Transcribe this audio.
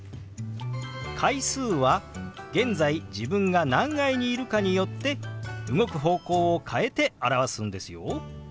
階数は現在自分が何階にいるかによって動く方向を変えて表すんですよ。